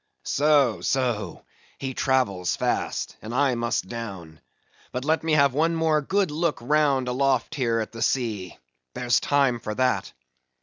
So, so; he travels fast, and I must down. But let me have one more good round look aloft here at the sea; there's time for that.